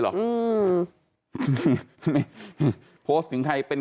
จริงไหวหรอโพสถึงไไไไเป็น